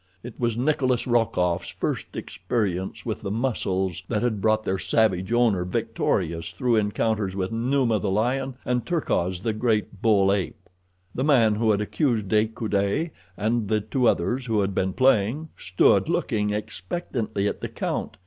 It was Nikolas Rokoff's first experience with the muscles that had brought their savage owner victorious through encounters with Numa, the lion, and Terkoz, the great bull ape. The man who had accused De Coude, and the two others who had been playing, stood looking expectantly at the count.